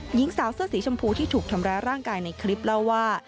หญิงสาวเสื้อสีชมพูที่ถูกทำร้ายร่างกายในคลิปเล่าว่า